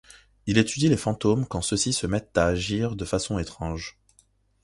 Il étudie les fantômes quand ceux-ci se mettent à agir de façon étrange.